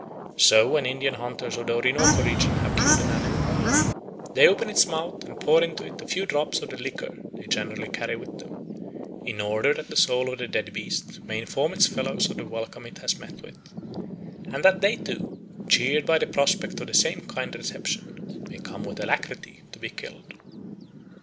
So when Indian hunters of the Orinoco region have killed an animal, they open its mouth and pour into it a few drops of the liquor they generally carry with them, in order that the soul of the dead beast may inform its fellows of the welcome it has met with, and that they too, cheered by the prospect of the same kind reception, may come with alacrity to be killed.